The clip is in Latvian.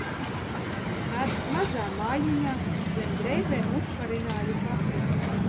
"Tad "mazā mājiņā" zem drēbēm uzkarināju kaklā."